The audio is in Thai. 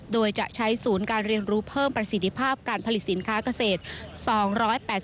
โดยจะใช้ศูนย์การเรียนรู้เพิ่มประสิทธิภาพการผลิตสินค้าเกษตร